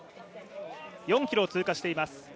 ４ｋｍを通過しています。